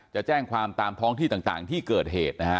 จะแจ้งความตามท้องที่ต่างที่เกิดเหตุนะฮะ